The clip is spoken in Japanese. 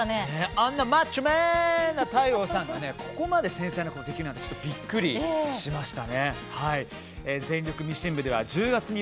あんなマッチョメンな太陽さんが繊細なことができるなんてびっくりしました。